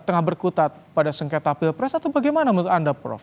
tengah berkutat pada sengketa pilpres atau bagaimana menurut anda prof